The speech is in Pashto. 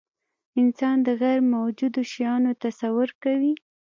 انسان د غیرموجودو شیانو تصور کوي.